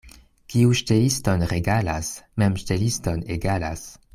Kiu ŝteliston regalas, mem ŝteliston egalas.